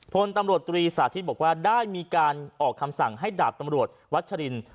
พลตำรวจตรีสาธิตบอกว่าได้มีการออกคำสั่งให้ดาบตำรวจวัชริน